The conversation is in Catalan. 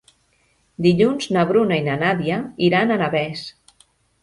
Dilluns na Bruna i na Nàdia iran a Navès.